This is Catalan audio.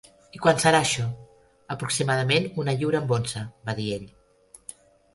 "I quant serà això?" "Aproximadament una lliura amb onze," va dir ell.